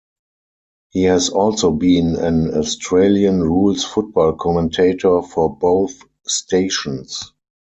He has also been an Australian rules football commentator for both stations.